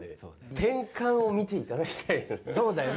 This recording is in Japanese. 転換を見ていただきたいですね。